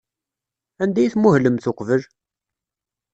Anda ay tmuhlemt uqbel?